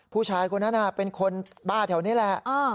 ผู้ชายคนนั้นเป็นคนบ้าแถวนี้แหละ